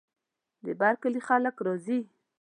د بر کلي خلک راځي.